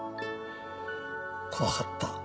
「怖かった。